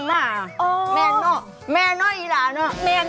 เขย่ามิน